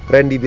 masuk ke rumah